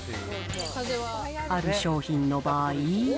ある商品の場合。